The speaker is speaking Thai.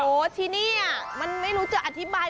โอ้โหที่นี่มันไม่รู้จะอธิบาย